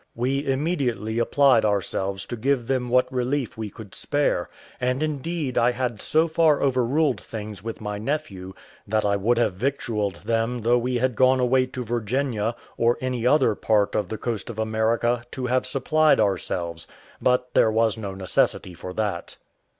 We immediately applied ourselves to give them what relief we could spare; and indeed I had so far overruled things with my nephew, that I would have victualled them though we had gone away to Virginia, or any other part of the coast of America, to have supplied ourselves; but there was no necessity for that.